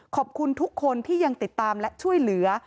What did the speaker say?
ขอบคุณทุกคนที่ยังติดตามและช่วยเหลือ